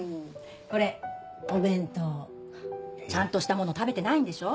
これお弁当ちゃんとしたもの食べてないんでしょう？